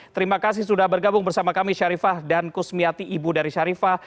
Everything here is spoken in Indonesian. terima kasih sudah bergabung bersama kami syarifah dan kusmiati ibu dari syarifah